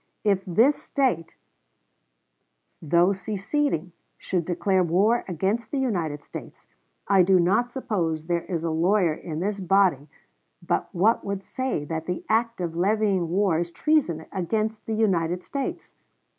If this State, though seceding, should declare war against the United States, I do not suppose there is a lawyer in this body but what would say that the act of levying war is treason against the United States.